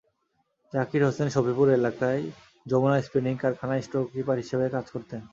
জাকির হোসেন সফিপুর এলাকায় যমুনা স্পিনিং কারখানায় স্টোরকিপার হিসেবে কাজ করতেন।